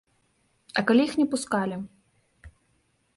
А калі іх не пускалі?